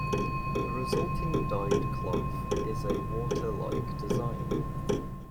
The resulting dyed cloth is a water-like design.